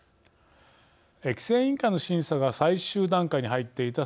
規制委員会の審査が最終段階に入っていた